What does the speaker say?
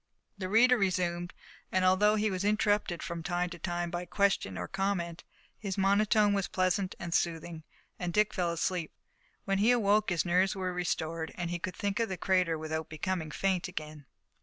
The reader resumed, and, although he was interrupted from time to time by question or comment, his monotone was pleasant and soothing, and Dick fell asleep. When he awoke his nerves were restored, and he could think of the crater without becoming faint again.